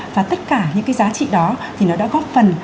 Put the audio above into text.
và tất cả những cái giá trị đó thì nó đã góp phần